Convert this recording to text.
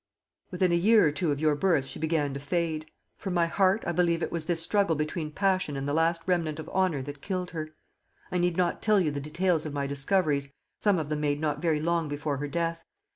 "Within a year or two of your birth she began to fade. From my heart I believe it was this struggle between passion and the last remnant of honour that killed her. I need not tell you the details of my discoveries, some of them made not very long before her death.